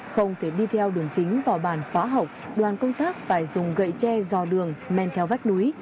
không thể đi theo đường chính vào bản pá hộc đoàn công tác phải dùng gậy tre dò đường men theo vách núi